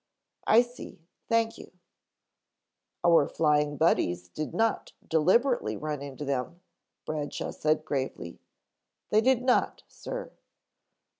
"I see, thank you." "Our Flying Buddies did not deliberately run into them," Bradshaw said gravely. "They did not, Sir."